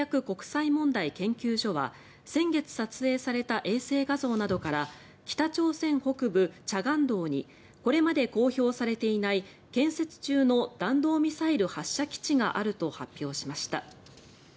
国際問題研究所は先月撮影された衛星画像などから北朝鮮北部慈江道にこれまで公表されていない建設中の弾道ミサイル発射基地があると発表しました。